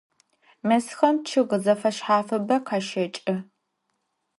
Mezxem ççıg zefeşshafıbe khaşeç'ı.